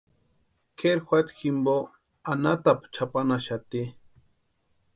Kʼeri juata jimpo anhatapu chʼapanhaxati.